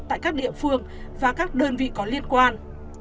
tại các địa phương và các đơn vị có liên quan